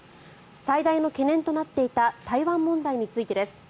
最大の懸念となっていた台湾問題についてです。